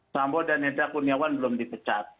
sambu dan hendra kuniawan belum dipecat